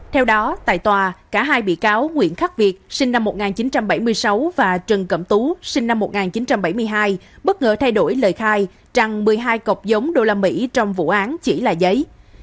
theo đó tại tòa cả hai bị cáo nguyễn khắc việt sinh năm một nghìn chín trăm bảy mươi sáu và trần cẩm tú sinh năm một nghìn chín trăm bảy mươi hai bất ngờ thay đổi lời khai rằng một mươi hai cọc giống đô la mỹ trong vụ án chỉ là giấy